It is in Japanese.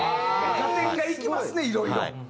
合点がいきますねいろいろ。